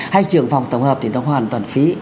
hay trường vòng tổng hợp thì nó hoàn toàn phí